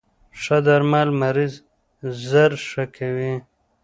ښه درمل مریض زر ښه کوی.